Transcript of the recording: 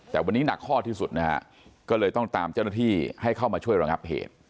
แต่วันนี้หนักข้อที่สุดนะฮะก็เลยต้องตามเจ้าหน้าที่ให้เข้ามาช่วยระงับเหตุ